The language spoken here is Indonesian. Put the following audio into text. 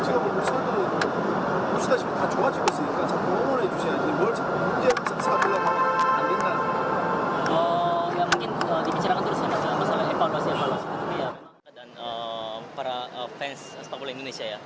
tapi ya memang para fans sepak bola indonesia